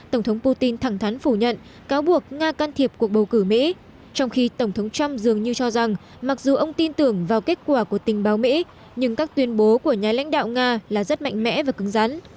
tổng thống putin thẳng thắn phủ nhận cáo buộc nga can thiệp cuộc bầu cử mỹ trong khi tổng thống trump dường như cho rằng mặc dù ông tin tưởng vào kết quả của tình báo mỹ nhưng các tuyên bố của nhà lãnh đạo nga là rất mạnh mẽ và cứng rắn